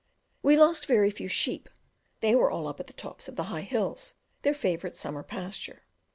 We lost very few sheep; they were all up at the tops of the high hills, their favourite summer pasture.